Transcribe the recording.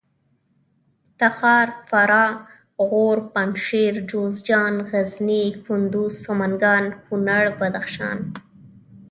تخار فراه غور پنجشېر جوزجان غزني کندوز سمنګان کونړ بدخشان